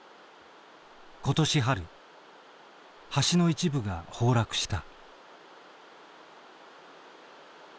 今年春橋の一部が崩落した。